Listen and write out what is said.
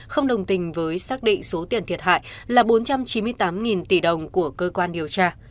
không đồng tình với xác định số tiền thiệt hại là bốn trăm chín mươi tám tỷ đồng của cơ quan điều tra